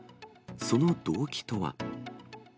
その動機とは。